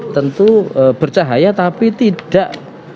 tentu bercahaya tapi tidak